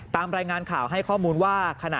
ตามรายงานข่าวให้ข้อมูลว่า